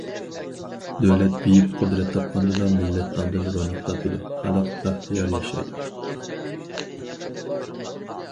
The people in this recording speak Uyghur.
دۆلەت بېيىپ قۇدرەت تاپقاندىلا، مىللەت ئاندىن روناق تاپىدۇ، خەلق بەختىيار ياشايدۇ.